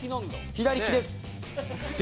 左利きです。